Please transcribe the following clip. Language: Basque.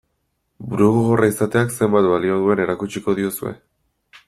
Burugogorra izateak zenbat balio duen erakutsiko diozue?